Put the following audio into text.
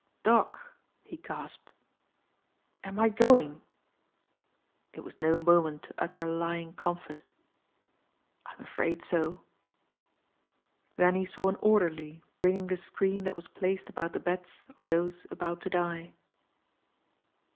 "Doc," he gasped, "am I going?" It was no moment to utter lying comfort. "I'm afraid so." Then he saw an orderly bringing the screen that was placed about the beds of those about to die.